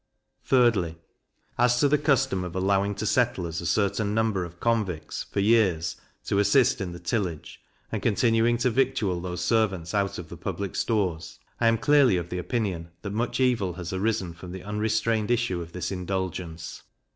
3dly, As to the custom of allowing to settlers a certain number of convicts, for years, to assist in the tillage, and continuing to victual those servants out of the public stores. I am clearly of opinion, that much evil has arisen from the unrestrained issue of this indulgence.